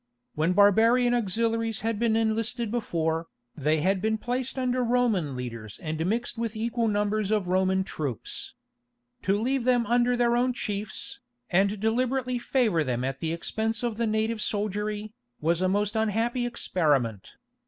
When barbarian auxiliaries had been enlisted before, they had been placed under Roman leaders and mixed with equal numbers of Roman troops. To leave them under their own chiefs, and deliberately favour them at the expense of the native soldiery, was a most unhappy experiment.